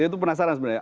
itu penasaran sebenarnya